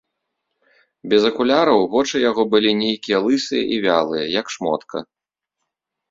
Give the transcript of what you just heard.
Без акуляраў вочы яго былі нейкія лысыя і вялыя, як шмотка.